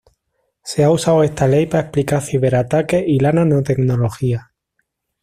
Se ha usado esta ley para explicar ciber-ataques y la nanotecnología.